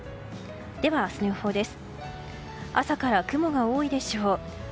では、明日の予報です。